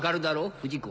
不二子。